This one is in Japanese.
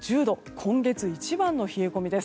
今月一番の冷え込みです。